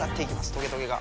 トゲトゲが。